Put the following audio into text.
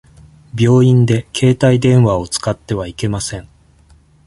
病院で携帯電話を使ってはいけません。